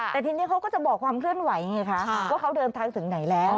แต่ทีนี้เขาก็จะบอกความเคลื่อนไหวไงคะว่าเขาเดินทางถึงไหนแล้ว